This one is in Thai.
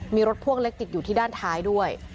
มีรถพ่วงเล็กติดอยู่ที่ด้านท้ายด้วย